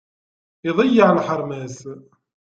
Iḍeyyeε lḥerma-s.